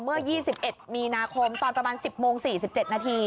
เมื่อ๒๑มีนาคมตอนประมาณ๑๐โมง๔๗นาที